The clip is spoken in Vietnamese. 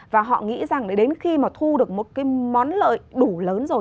và họ nghĩ rằng đến khi mà thu được một cái món lợi đủ lớn rồi